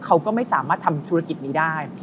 เขาก็ไม่สามารถทำธุรกิจนี้ได้